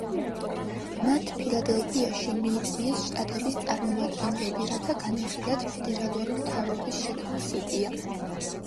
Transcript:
მათ ფილადელფიაში მიიწვიეს შტატების წარმომადგენლები, რათა განეხილათ ფედერალური მთავრობის შექმნის იდეა.